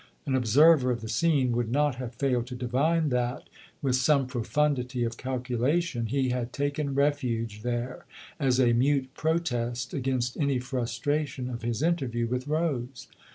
An observer of the scene would not have failed to divine that, with some profundity of calculation, he had taken refuge there as a mute protest against any frustration of his interview with Rose.